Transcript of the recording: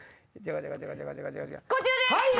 こちらです！